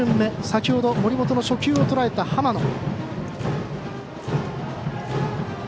先ほど森本の初球をとらえた浜野。